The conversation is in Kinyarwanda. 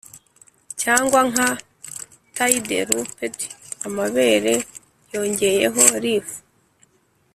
cyangwa nka tide-looped amabere yongeyeho reef